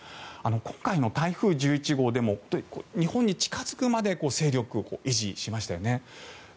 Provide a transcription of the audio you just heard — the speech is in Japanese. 今回の台風１１号でも日本に近付くまで勢力を維持しましたよね。